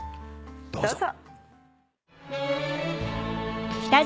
どうぞ。